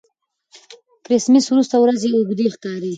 د کرېسمېس وروسته ورځې اوږدې ښکاري.